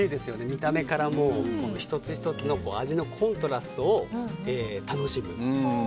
見た目から１つ１つの味のコントラストを楽しむ。